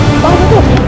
eh bangun tuh